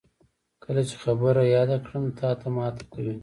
کله چې خبره یاده کړم، تاته ماته کوي.